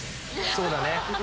そうだね。